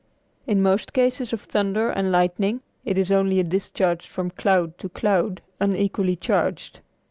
In most cases of thunder and lightning it is only a discharge from cloud to cloud unequally charged.